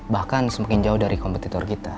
bahkan semakin jauh dari kompetitor kita